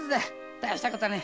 大した事はねえ。